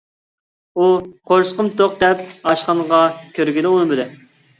ئۇ قورسىقىم توق دەپ ئاشخانىغا كىرگىلى ئۇنىمىدى.